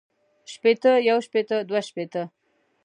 شپېتۀ يو شپېته دوه شپېته